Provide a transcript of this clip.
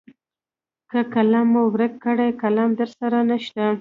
که قلم مو ورک کړ قلم درسره نشته .